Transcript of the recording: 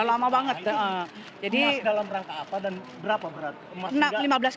berarti dalam rangka apa dan berapa berat